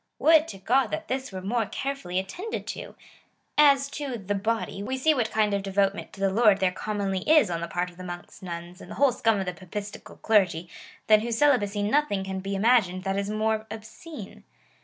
Would to God that this were more carefully attended to ! As to the body, we see wdiat kind of devotement to the Lord there commonly is on the part of monks, nuns, and the whole scum of the Papistical clergy, than whose celibacy nothing can be imagined that is more obscene.